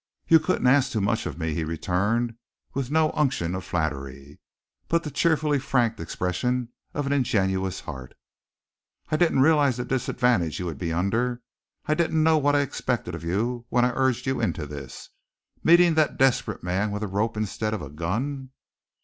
"You couldn't ask too much of me," he returned, with no unction of flattery, but the cheerfully frank expression of an ingenuous heart. "I didn't realize the disadvantage you would be under, I didn't know what I expected of you when I urged you into this. Meeting that desperate man with a rope instead of a gun!"